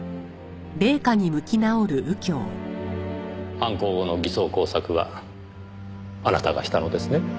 犯行後の偽装工作はあなたがしたのですね？